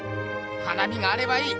花火があればいい！